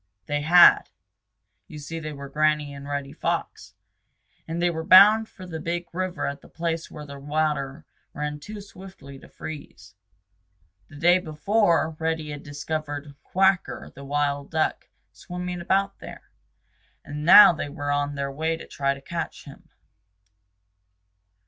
They had. You see they were Granny and Reddy Fox, and they were bound for the Big River at the place where the water ran too swiftly to freeze. The day before Reddy had discovered Quacker the Wild Duck swimming about there, and now they were on their way to try to catch him.